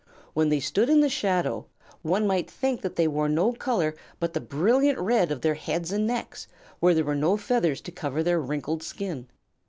When they stood in the shadow, one might think that they wore no color but the brilliant red of their heads and necks, where there were no feathers to cover their wrinkled skin.